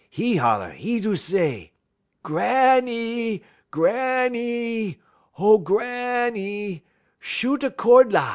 'E holler; 'e do say: "'_Granny! Granny! O Granny! Shoot a cord la!